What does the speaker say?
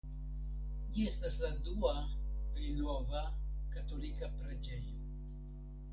Ĝi estas la dua (pli nova) katolika preĝejo.